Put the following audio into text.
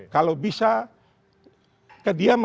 kalau bisa kejadiannya